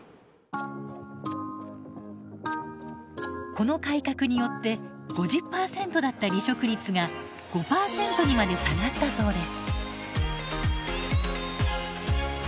この改革によって５０％だった離職率が５％にまで下がったそうです。